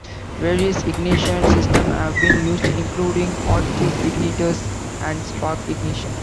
Various ignition systems have been used, including hot-tube ignitors and spark ignition.